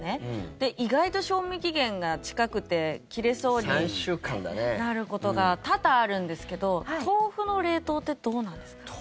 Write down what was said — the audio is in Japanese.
で、意外と賞味期限が近くて切れそうになることが多々あるんですけど豆腐の冷凍ってどうなんですか。